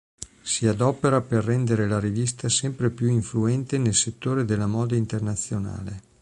Si adopera per rendere la rivista sempre più influente nel settore della moda internazionale.